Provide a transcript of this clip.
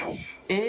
え！